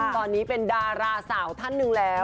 ตอนนี้เป็นดาราสาวท่านหนึ่งแล้ว